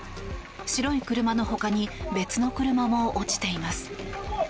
白い車のほかに別の車も落ちています。